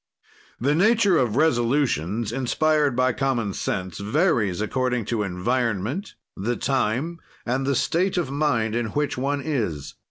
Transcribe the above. The nature of resolutions inspired by common sense varies according to environment, the time, and the state of mind in which one is.